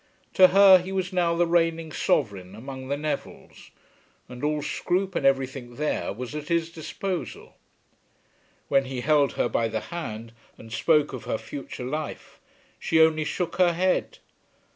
To her he was now the reigning sovereign among the Nevilles, and all Scroope and everything there was at his disposal. When he held her by the hand and spoke of her future life she only shook her head.